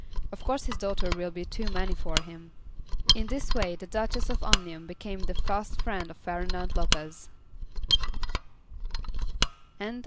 Of course his daughter will be too many for him." In this way the Duchess of Omnium became the fast friend of Ferdinand Lopez.